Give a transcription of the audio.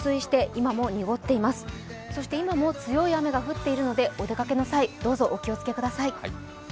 今も強い雨が降っているのでお出かけの際、どうぞお気をつけください。